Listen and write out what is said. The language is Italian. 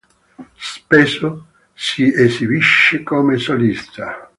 Spesso si esibisce come solista.